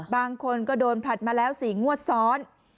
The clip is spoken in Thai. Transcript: บางคนก็โดนผลัดมาแล้ว๔งวดซ้อน